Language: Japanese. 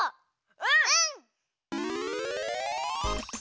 うん！